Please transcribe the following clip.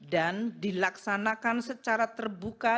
dan dilaksanakan secara terbuka